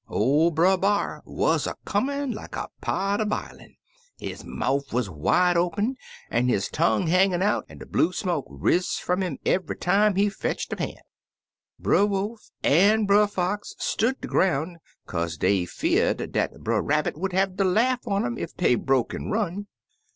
or Brer B'ar wuz a comin* like a pot a bilin\ His mouf wuz wide open an' his tongue hangin' out, an' de blue smoke riz fum 'im eve'y time he fetched a pant. *' Brer Wolf an' Brer Fox stood der groun', kaze dey fear'd dat Brer Rabbit would have de laugh on um ef dey broke an' run.